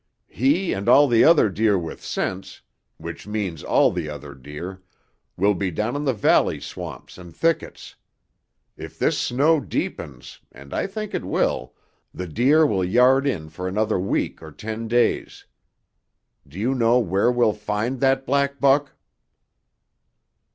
"He and all the other deer with sense, which means all the other deer, will be down in the valley swamps and thickets. If this snow deepens, and I think it will, the deer will yard in for another week or ten days. Do you know where we'll find that black buck?"